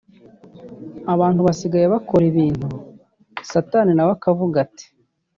Abantu basigaye bakora ibintu Satani nawe akavuga ati